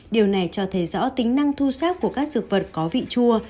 điều này cho thấy rõ tính năng thu xác của các dược vật có vị chua